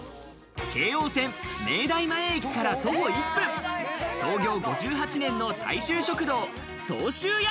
京王線明大前駅から徒歩１分、創業５８年の大衆食堂・相州屋。